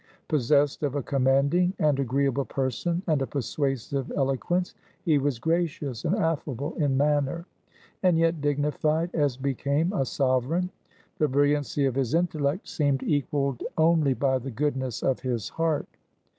Possessed of a commanding and agreeable person and a persuasive eloquence, he was gracious and affable in manner, and yet dignified as became a sov ereign. The briUiancy of his intellect seemed equaled only by the goodness of his heart.